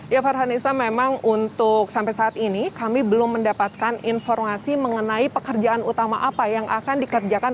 ya farhanisa memang untuk sampai saat ini kami belum mendapatkan informasi mengenai pekerjaan utama apa yang akan dikerjakan